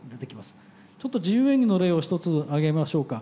ちょっと自由演技の例を一つあげましょうか。